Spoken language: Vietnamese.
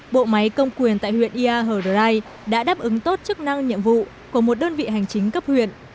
bộ máy công quyền tại huyện ia hờ đờ rai đã đáp ứng tốt chức năng nhiệm vụ của một đơn vị hành chính cấp huyện